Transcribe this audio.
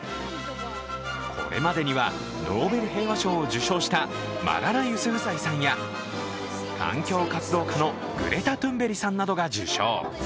これまでにはノーベル平和賞を受賞したマララ・ユスフザイさんや環境活動家のグレタ・トゥンベリさんなどが受賞。